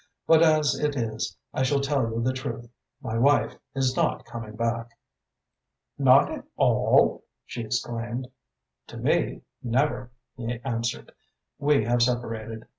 But as it is, I shall tell you the truth. My wife is not coming hack." "Not at all?" she exclaimed. "To me, never," he answered. "We have separated."